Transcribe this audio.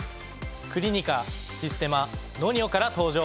クリニカシステマＮＯＮＩＯから登場！